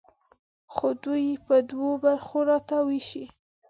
خو دوی یې په دوو برخو راته ویشي.